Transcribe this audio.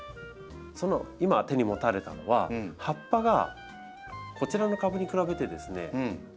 今手に持たれたのは葉っぱがこちらの株に比べてですね少ない。